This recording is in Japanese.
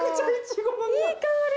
いい香り。